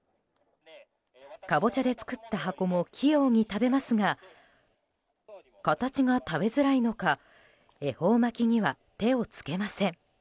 カボチャで作った箱も器用に食べますが形が食べづらいのか恵方巻きには手を付けません。